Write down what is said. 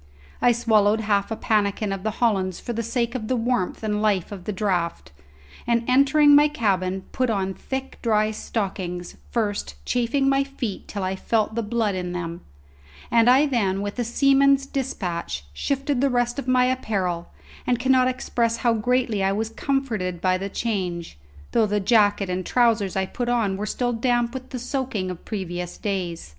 I swallowed half a pannikin of the hollands for the sake of the warmth and life of the draught, and entering my cabin, put on thick dry stockings, first, chafing my feet till I felt the blood in them; and I then, with a seaman's dispatch, shifted the rest of my apparel, and cannot express how greatly I was comforted by the change, though the jacket and trousers I put on were still damp with the soaking of previous days.